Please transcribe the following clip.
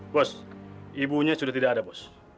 bos ibunya sudah tidak ada bos